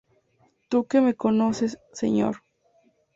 Tú que me conoces, Señor!...